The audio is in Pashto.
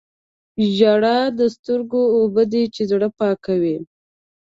• ژړا د سترګو اوبه دي چې زړه پاکوي.